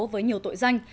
với nhiều tội danh